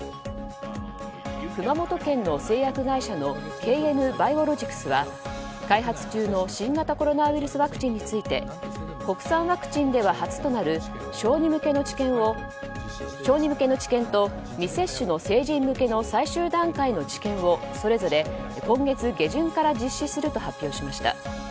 熊本県の製薬会社のＫＭバイオロジクスは開発中の新型コロナウイルスワクチンについて国産ワクチンでは初となる小児向けの治験と未接種の成人向けの最終段階の治験をそれぞれ今月下旬から実施すると発表しました。